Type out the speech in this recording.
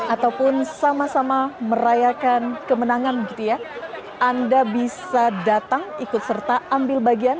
ataupun sama sama merayakan kemenangan anda bisa datang ikut serta ambil bagian